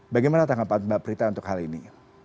bagaimana tanggapan mbak prita untuk hal ini